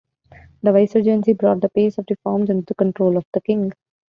The vicegerency brought the pace of reforms under the control of the king.